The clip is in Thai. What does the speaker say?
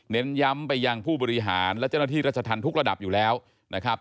ย้ำไปยังผู้บริหารและเจ้าหน้าที่รัชธรรมทุกระดับอยู่แล้วนะครับ